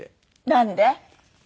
なんで？